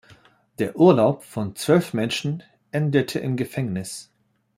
Der Urlaub von zwölf Menschen endete im Gefängnis.